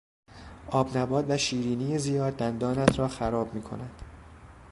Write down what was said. آبنبات و شیرینی زیاد دندانت را خراب میکند.